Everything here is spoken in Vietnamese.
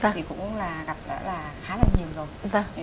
thì cũng là gặp đã là khá là nhiều rồi